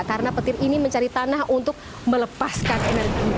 karena petir ini mencari tanah untuk melepaskan energinya